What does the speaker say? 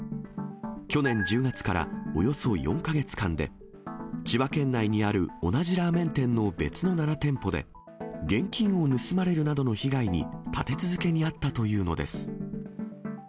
去年１０月からおよそ４か月間で、千葉県内にある同じラーメン店の別の７店舗で、現金を盗まれるなどの被害に立て続けに遭ったというのです。